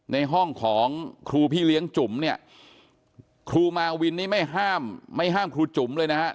ในห้องของครูพี่เลี้ยงจุ๋มเนี่ยครูมาวินนี่ไม่ห้ามไม่ห้ามครูจุ๋มเลยนะครับ